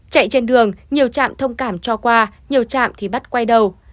chạy trên đường nhiều trạm thông cảm cho qua nhiều trạm thì bắt quay đầu